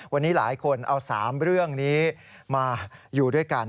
วันนี้หลายคนเอา๓เรื่องนี้มาอยู่ด้วยกัน